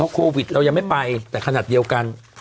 โควิดเรายังไม่ไปแต่ขนาดเดียวกัน